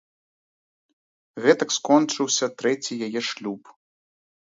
Гэтак скончыўся трэці яе шлюб.